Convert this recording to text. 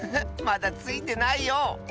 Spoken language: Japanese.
まだついてないよ。